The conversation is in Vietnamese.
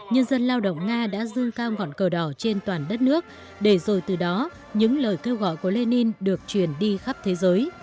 nhân dân lao động nga đã dương cao ngọn cầu đỏ trên toàn đất nước để rồi từ đó những lời kêu gọi của lê ninh được chuyển đi khắp thế giới